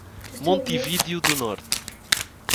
Montividiu do Norte